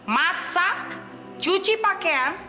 masak cuci pakaian